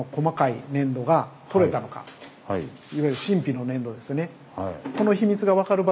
いわゆる神秘の粘土ですね。